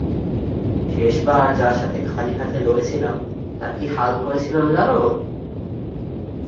শেষবার যার সাথে খালি হাতে লড়েছিলাম তার কী হাল করেছিলাম জানো?